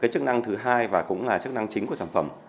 chức năng thứ hai và cũng là chức năng chính của sản phẩm